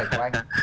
xin cảm ơn anh